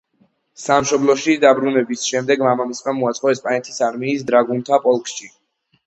სამშობლოში დაბრუნების შემდეგ მამამისმა მოაწყო ესპანეთის არმიის დრაგუნთა პოლკში.